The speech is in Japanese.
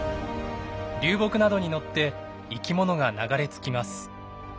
流木などに乗って生きものが流れ着きます。